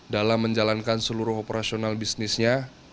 dalam menjalankan seluruh operasional bisnisnya